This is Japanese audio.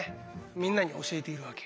みんなに教えているわけ。